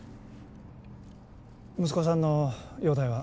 息子さんの容体は？